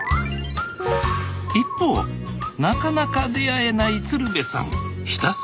一方なかなか出会えない鶴瓶さん